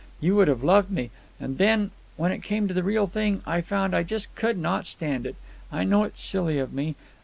You would have loved me! And then, when it came to the real thing, I found I just could not stand it. I know it's silly of me.